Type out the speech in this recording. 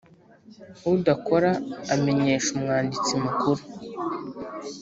udakora amenyesha umwanditsi Mukuru